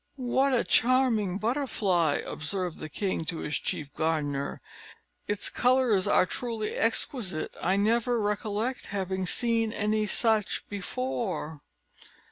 "What a charming butterfly!" observed the king to his chief gardener. "Its colours are truly exquisite; I never recollect having seen any such before."